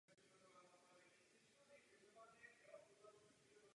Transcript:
Musíme překonat velký vnitřní odpor.